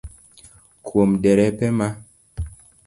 Kuom derepe ma